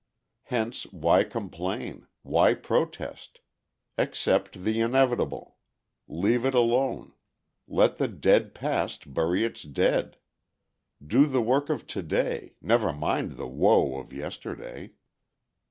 Hence why complain, why protest. Accept the inevitable. Leave it alone. Let the dead past bury its dead. Do the work of to day; never mind the woe of yesterday.